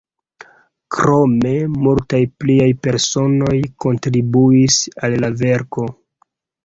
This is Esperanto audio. Krome multaj pliaj personoj kontribuis al la verko.